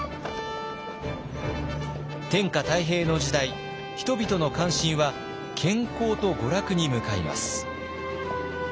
天下太平の時代人々の関心は健康と娯楽に向かいます。